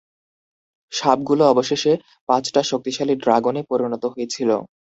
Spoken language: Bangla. সাপগুলো অবশেষে পাঁচটা শক্তিশালী ড্রাগনে পরিণত হয়েছিল।